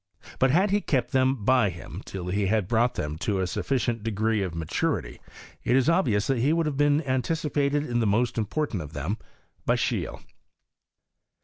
But had he kept them by him till he had brought them to a sufficient degree of maturity, it is obvious that he would have been anticipated in' the most important of them by Scheele.